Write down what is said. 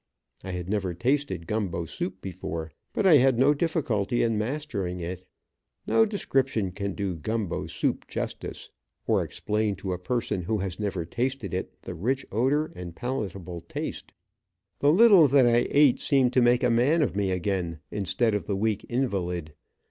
I had never tasted gumbo soup before, but I had no difficulty in mastering it. No description can do gumbo soup justice, or explain to a person who has never tasted it the rich odor, and palatable taste. The little that I ate seemed to make a man of me again, instead of the weak invalid.